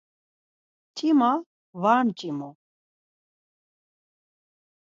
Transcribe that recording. Mç̌ima var mç̌imu.